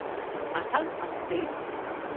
Аҭак ҟасҵеит.